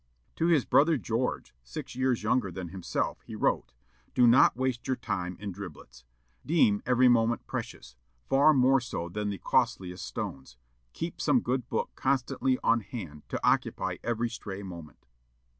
To his brother George, six years younger than himself, he wrote, "Do not waste your time in driblets. Deem every moment precious, far more so than the costliest stones.... Keep some good book constantly on hand to occupy every stray moment."